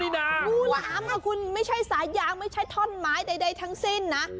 งูหลามคุณไม่ใช่สายยางไม่ใช่ท่อนไม้ใดทั้งสิ้นนะ